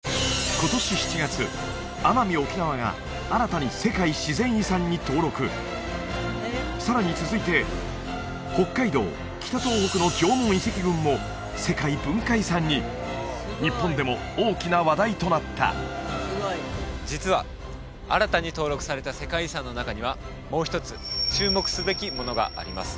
今年７月奄美・沖縄が新たに世界自然遺産に登録さらに続いて北海道・北東北の縄文遺跡群も世界文化遺産に日本でも大きな話題となった実は新たに登録された世界遺産の中にはもう一つ注目すべきものがあります